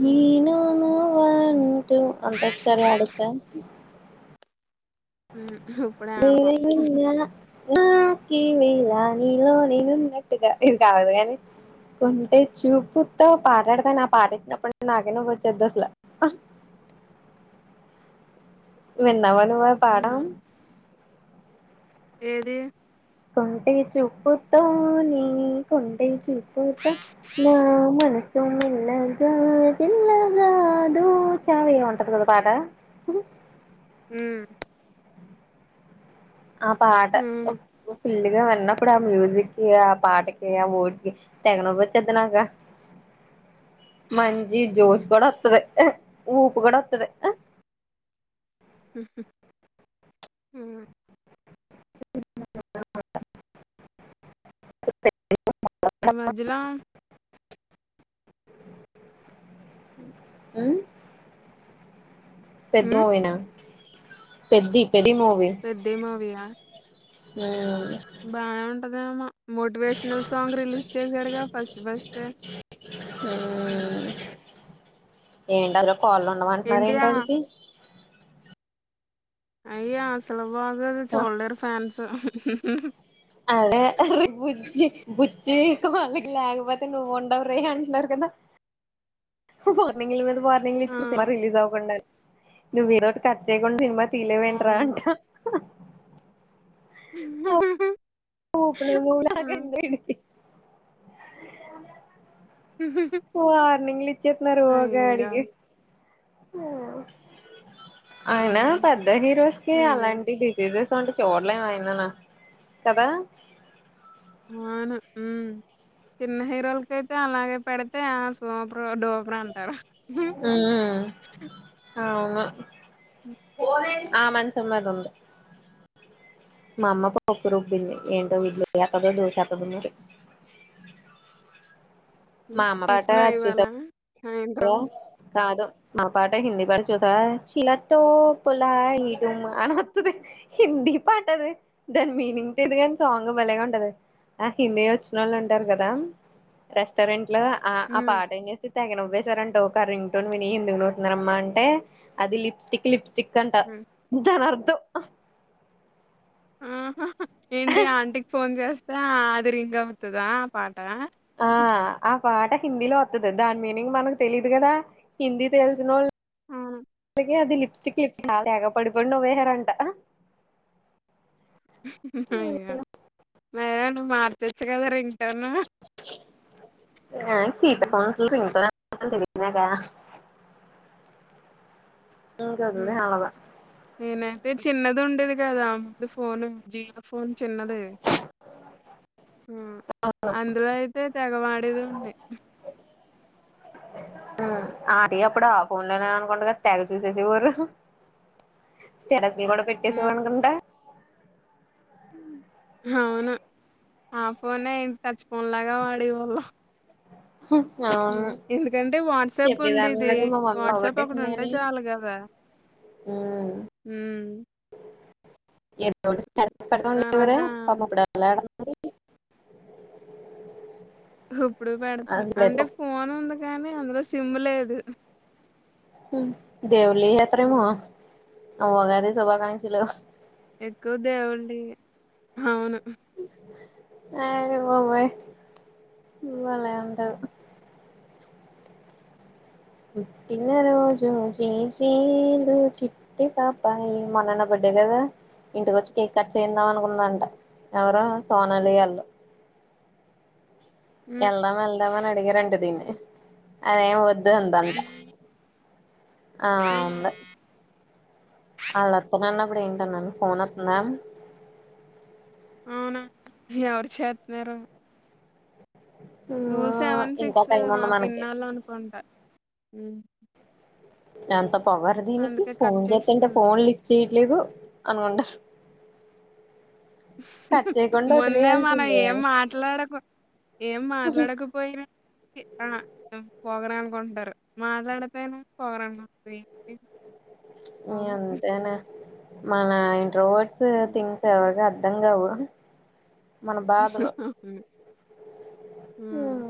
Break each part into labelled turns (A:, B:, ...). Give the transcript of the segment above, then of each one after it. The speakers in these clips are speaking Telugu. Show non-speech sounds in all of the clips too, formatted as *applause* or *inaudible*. A: హ్మ్
B: నేను నువ్వంటూ అంతాక్షరి ఆడొచ్చా
A: హ్మ్ ఇప్పుడే ఆడతాం
B: నేనున్నా హాకీ ఇలా నీలో నేను ఉన్నట్టుగా ఇది కావలె కానీ కొంటే చూపుతో పాటడతాను నా పాటట్టినప్పుడు నాకే నువ్ వచ్చద్దు అసలు విన్నావ ఎవ్వలు
A: హ్మ్
B: పాడడం
A: ఏది
B: కొంటె చూపుతో నీ కొంటె చూప్ తో నా మనసు మెల్లగా చిన్నగా దోచావే ఏం ఉంటది కదా పాట
A: అ
B: ఆ పాట పిల్లిగా విన్నప్పుడు ఆ మ్యూజిక్కిి ఆ పాటకి ఆ వర్డ్స్ కి తెగ నవ్వు వచ్చేస్తోంది నాకు మంచి జోస్
A: హ్మ్
B: కూడా వస్తాది ఊపు కూడా వస్తాది
A: అ ఈ మధ్యలో
B: ఆ పెద్ది
A: ఉమ్
B: మూవీ నా పెద్ది మూవీ
A: పెద్ది మూవీ ఆ
B: *unintelligible*
A: బావున్ టదేమో మోటివేషనల్ సాంగ్ రిలీజ్ చేశాడుగా ఫస్ట్ ఫస్టే ఉమ్
B: ఏంటదురో కాల్ లో ఉండమంటున్నారు ఏంటి
A: ఆ
B: ఆడికి
A: అయ్యా అసలు బాగోదు చూడలేరు ఫాన్స్
B: అదేే బుజ్జి బుజ్జికి వాళ్ళకి లేకపోతే నువ్వు ఉండవు రే అంటున్నారు కదా వార్నింగ్ ల మీద వార్నింగ్ లు
A: ఆ
B: ఇస్తున్నారు సినిమా రిలీజ్ అవ్వకుండా నువ్ ఏదో ఒకటి కట్ చేయకుండా సినిమా తీనవేంట్రా
A: అవును
B: అంటా
A: ఆ
B: *inaudible* వార్నింగ్ లు ఇ చెప్పినరు గా
A: అయ్యయ్యో
B: అడిగి ఆ అయినా
A: హ్మ్
B: పెద్ద హీరోస్ కి
A: అదే
B: అలాంటి డిజీజెస్ పండుకోర్లే కదా
A: అవును హ్మ్ చిన్న హీరోలకయితే అలాగే పెడితే ఆ సూపర్ డూపర్ అంటారు. హ
B: ఉమ్ అవును ఆ మంచిసుమ్మద ఉంది మా అమ్మ పప్పు రుబ్బింది ఏంటో ఇడ్లేత్తదో దోసేత్తదో మరి మా
A: హ్మ్
B: అమ్మ పాట
A: టిఫ్నా
B: అది చూసా
A: ఇవాలా సాయంత్రం
B: కాదు మా పాట హిందీ పాట చూసావా చిల టో పులా ఈటుమ్ అని వత్తది హిందీ పాట అది దాని మీనింగ్ది కాని సాంగ్ భలేగా ఉంటది ఆ హిందీ వచ్చిన ఓళ్ళు ఉంటరు కదా రెస్టారెంట్ లో ఆ
A: హ్మ్.
B: పాట ఏం సంగ నువ్వే ంట ఒక రింగ్ టోన్ విని ఎందుకు నవ్ తున్నారమ్మా అంటే అది లిప్స్టిక్ లిప్స్ స్టిక్ అంట
A: హ్మ్.
B: దానర్థం. ఆ
A: ఏంటి ఆంటీకి ఫోన్ చేస్తున్నావ్ అది రింగ్ అవుతదా పార్టీ
B: ఆ ఆ పాట క్ హిందీలో వత్తది దాని మీనింగ్ మనకు తెలీదు కదా హిందీ తెలిసినోళ్
A: అవును.
B: ఏ అది లిప్స్టిక్ లిప్స్ తేగ పడిపోండి నవ్వేహారంట.
A: అయ్యా మేఘనా నువ్వు మార్చచ్చు కదా రింగ్ టోను.
B: అ తెలిద్ కదా ఇంకేది అవ్వదు
A: అదే చిన్నది ఉండేది కదా ఆ ముందు ఫోను జియో ఫోన్ చిన్నది అందులో అయితే తెగవాడే దాన్ని
B: హ్మ్ అది అప్పుడు ఆ ఫోన్ లోనే అనుకుంట కదా తెగ చూసేసే వోరు స్టేటస్ న కూడా
A: హ్మ్.
B: పెట్టేసివనుకుంటా
A: అవును ఆ ఫోనే టచ్ ఫోన్ లాగా వాడేవాళ్ళం.
B: అవును
A: ఎందుకంటే వాట్సాప్
B: చెప్పేదాన్ని
A: ఉండేది
B: కదా మా మమ్మీ
A: వాట్సాప్ అక్కడ
B: పోగొట్టేసింది
A: ఉంటే
B: కాని
A: చాల కదా
B: ఉమ్
A: హ్మ్
B: ఎది స్టస్ పెడతంది ఎవర
A: తర్వాత
B: పాప ఇప్పుడు వెలా
A: ఇప్పుడు పెడత
B: అసలు ఇప్పుడైతే
A: అంటే ఫోన్ ఉంది కాని అందులో సిమ్ లేదు
B: హ్మ్ దేవులీ యాత్ర పో
A: హ్మ్.
B: వగాద సభా కాంచలో
A: ఎక్కువ దేవుల్డి అవును
B: ఆ పోయి వల ఉంట పుట్టిన రోజు జీ జీలు చిట్టి పాప ఈ మాన్నన్న బర్త్డే కదా ఇంటిక వచ్చి కేక్ కట్ చేయందాం అనుకుందంట ఎవరు సోనాలి వాళ్ళు
A: హ్మ్
B: ఎల్దామ్ ఎల్దామ్ అని అడిగారంట దీన్ని అదేం వాద్ ఇదే అందంట ఆ ఉంది ఆళ్ళ అత్తనన్నప్పుడు ఏంటన్నాను ఫోన్ వత్తందా
A: అవునా ఎవరు చేతన్నారు టూ
B: మ్మ్
A: సెవెన్
B: ఇంకా
A: సిక్స్
B: టైం
A: మా
B: ఉంది మనకి
A: పిన్నాళ్ళు అనుకుంటా మ్మ్
B: ఎంతప్ప పవర్ దీనికి
A: కట్
B: ఫోన్ చేతంటె
A: చేసేసాను
B: ఫోన్ లిఫ్ట్ చేయదు లేదు అనుకుంటారు కట్ చేయకుండా
A: ముందే మనం
B: వదిలేయాల్సిందే
A: ఏం మాట్లాడక ఏం మాట్లాడకపోయినా పొగరు అనుకుంటారు మాట్లాడితే పొగరు అనుకుంటారు
B: మీ
A: గోల
B: అంతేనే మన రోడ్స్
A: హ్మ్
B: థింగ్స్ ఎవర గంగావు
A: *unintelligible* మ్మ్
B: హ్మ్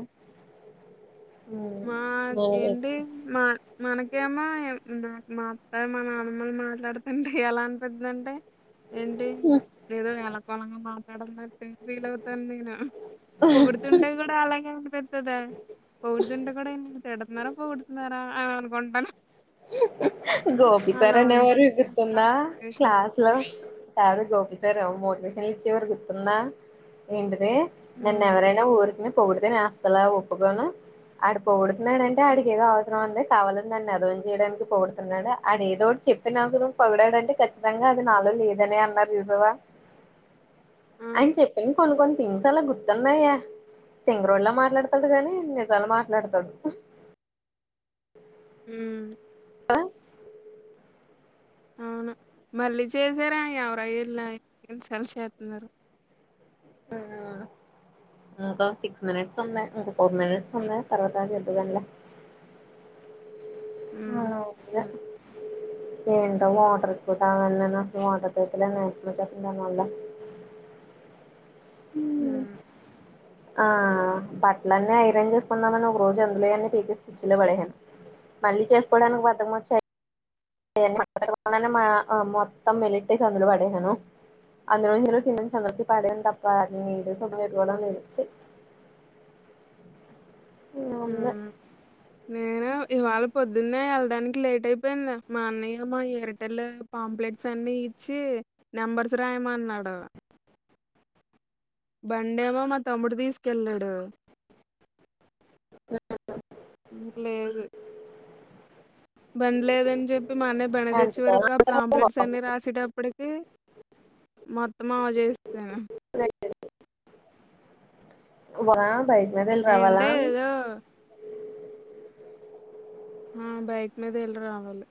A: మా
B: హ్మ్
A: ఏంటి మా మనకేమో *unintelligible* మా అత్త మా నాన్నమ్మలు మాట్లాడుతుంటే ఎలా అనిపిద్దంటే ఏంటి ఏదో ఎల పళంగా మాటాడంది ఫీల్ అవుతాను నేను పొగుడుతుంటే కూడా అలాగే అనిపిత్తదే పొగుడ్ వర్డెన్ నిన్ను తిడతన్నారా పొగుడుతున్నారా అ అనుకుంటాను
B: గోపి సార్
A: అలా ఉంటది
B: అనేవారివి
A: నా
B: గుర్తుందా
A: సిట్యుయేషను.
B: క్లాస్ లో సారు గోపి సర్ ఓ మోటివేషన్లు ఇచ్చేవారు గుర్తుందా ఏంటి అరే
A: హ్మ్.
B: నన్నెవరైనా ఊరికినే పొగిడితే నేను అస్సల ఒప్పుకోను ఆడు పొగిడి నేనంటే ఆడికేదో అ రాన్లే కావాలని నన్ను ఎదవని చేయడానికి పొగుడుతున్నాడు ఆడు ఏదోటి చెప్పినాకు పొగిడాడంటే ఖచ్చితంగా అది నాలో లేదనే అన్నారు చూసావా
A: ఆ!
B: ఆయన చెప్పన కొన్ని కొన్ని థింగ్స్ అలా గుర్తున్నాయా తింగరోల్ల మాట్లాడతాడు కాని నిజాలు మాట్లాడతాడు
A: ఉమ్
B: ఆ
A: అవును మళ్ళీ చేసారా ఎవరళసలు చేస్తున్నారు
B: ఆ ఇంకా సిక్స్ మినిట్స్ ఉన్నాయి ఇంకా ఫోర్ మినిట్స్ ఉన్నాయి తర్వాత అగి చెధువుగానిలే
A: ఉమ్ సరే
B: ఎంటో వాోటర్ కూటా అ వాటర్ ఎకాలెన్ నర్సామ్ వాచెతుంధి మాలా
A: ఉమ్
B: ఆ బట్టలన్నీ ఐరన్ చేసుకుందామని ఒక రోజు అందులోవన్నీ పీకేసి పచ్చీలో పదేషాను మళ్ళీ చేసుకోవడానికి బధకం వచ్చాయి మా *unintelligible* ఆ మొత్తం వెళ్లిట్టి చందులు పడయాను అందులో కందందులకి పడాను తప్ప న ఇద సుఖం పెట్టుకోవడంని లేధు చి
A: ఉమ్ నేను ఇవాళ పొద్దున్నే వెళ్ళడానికి లేట్ అయిపోయింది మా అన్నయ్య మా ఎయిర్టెల్ పాంప్లెట్స్ అన్ని ఇచ్చి నెంబర్స్ రాయమన్నాడు బండేమో మా తమ్ముడు తీసుకెళ్ళాడు ఉమ్ లేదు బండి లేదని చెప్పి మా అన్నయ బండి తెచ్చేవరకు ఆ ప్లాంప్లెట్స్
B: ఉంది
A: అన్ని రాసేటప్పటికి మొత్తం అవ చేస్తాను
B: వా బై వదిల్ రావాలా
A: ఏంటే ఏదో ఆ బైక్ మీద వెళ్ళ రావాలి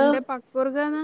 B: ఆ
A: పక్కూరు కదా